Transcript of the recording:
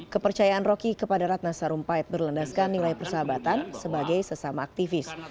kepercayaan roky kepada ratna sarumpait berlandaskan nilai persahabatan sebagai sesama aktivis